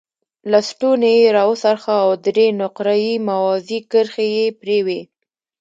لستوڼی یې را وڅرخاوه او درې نقره یي موازي کرښې یې پرې وې.